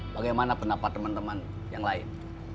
bagaimana pendapat teman teman yang lain